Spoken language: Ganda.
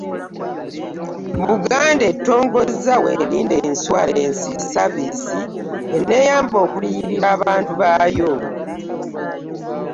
Buganda etongozza Weerinde Insurance Services enaayamba okuliyirira abantu baayo.